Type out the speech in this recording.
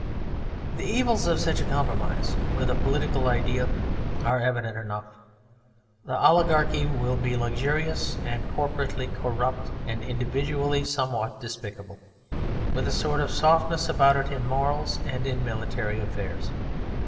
The evils of such a compromise with a political idea are evident enough. The oligarchy will be luxurious and corporately corrupt, and individually somewhat despicable, with a sort of softness about it in morals and in military affairs.